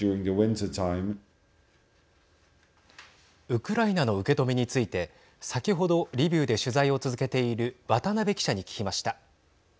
ウクライナの受け止めについて先ほど、リビウで取材を続けている渡辺記者に聞きました。